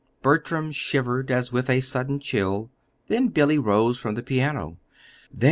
Bertram shivered as with a sudden chill; then Billy rose from the piano. "There!"